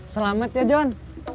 selamat ya john